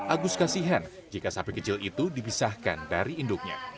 agus kasihan jika sapi kecil itu dipisahkan dari induknya